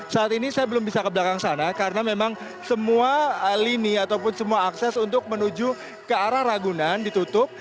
saat ini saya belum bisa ke belakang sana karena memang semua lini ataupun semua akses untuk menuju ke arah ragunan ditutup